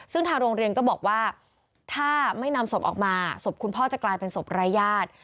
ซึ่งทางโรงเรียนก็บอกว่าถ้าไม่นำศพออกมาศพคุณพ่อจะกลายเป็นศพรายญาติ